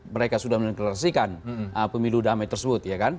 mereka sudah meneklarasikan pemilu damai tersebut